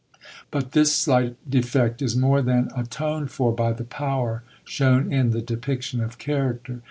But this slight defect is more than atoned for by the power shown in the depiction of character.